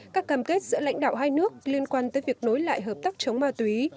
các cam kết giữa lãnh đạo hai nước liên quan tới việc nối lại hợp tác chống ma túy